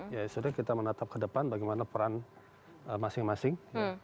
ya sudah kita menatap ke depan bagaimana peran masing masing